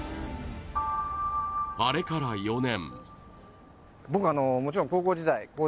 あれから４年。